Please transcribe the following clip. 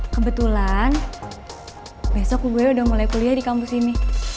kebetulan besok gue udah mulai kuliah di kampus ini